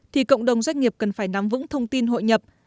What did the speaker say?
thì cộng đồng doanh nghiệp cần phải nắm vững thông tin hội nhập